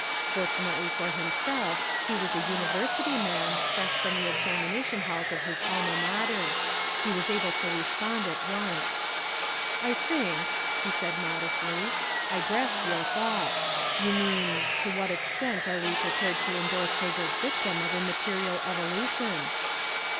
Fortunately for himself, he was a University man, fresh from the examination halls of his Alma Mater. He was able to respond at once. "I think," he said modestly, "I grasp your thought. You mean to what extent are we prepared to endorse Hegel's dictum of immaterial evolution?"